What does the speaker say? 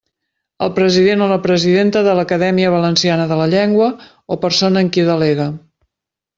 El president o la presidenta de l'Acadèmia Valenciana de la Llengua o persona en qui delegue.